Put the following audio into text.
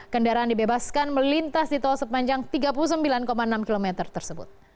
kendaraan dibebaskan melintas di tol sepanjang tiga puluh sembilan enam km tersebut